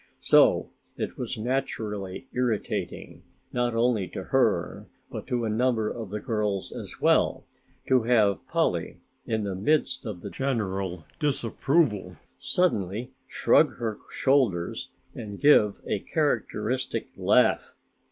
So it was naturally irritating, not only to her but to a number of the girls as well, to have Polly, in the midst of the general disapproval, suddenly shrug her shoulders and give a characteristic laugh.